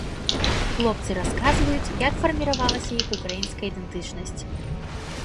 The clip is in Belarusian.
Хлопцы расказваюць, як фарміравалася іх украінская ідэнтычнасць.